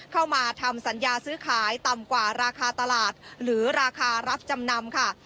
เข้ามาทำสัญญาซื้อขายต่ำกว่าราคาตลาดหรือราคารับจำนำค่ะ